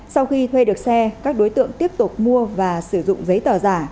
sau khi thuê được xe các đối tượng tiếp tục mua và sử dụng giấy tờ giả